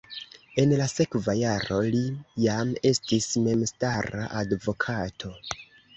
En la sekva jaro li jam estis memstara advokato.